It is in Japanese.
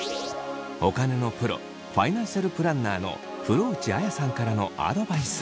お金のプロファイナンシャルプランナーの風呂内亜矢さんからのアドバイス。